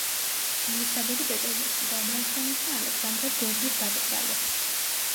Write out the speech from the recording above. ელისაბედი პეტერბურგში გადაასვენეს და ალექსანდრეს გვერდით დაკრძალეს.